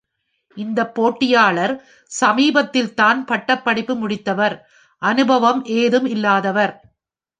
இந்த போட்டியாளர் சமீபத்தில்தான் பட்டப்படிப்பு முடித்தவர். அனுபவம் ஏதும் இல்லாதவர்.